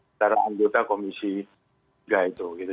antara anggota komisi tiga itu gitu